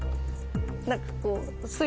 何かこう。